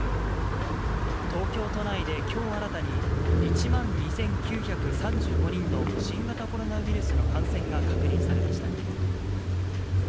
東京都内できょう新たに１万２９３５人の新型コロナウイルスの感染が確認されました。